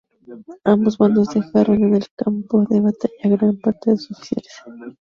Ambos bandos dejaron en el campo de batalla a gran parte de sus oficiales.